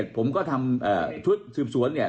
ผมก็ทำชุดสืบสวนเนี่ย